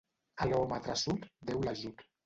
A l'home traçut, Déu l'ajut.